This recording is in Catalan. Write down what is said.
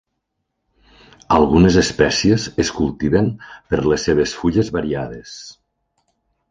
Algunes espècies es cultiven per les seves fulles variades.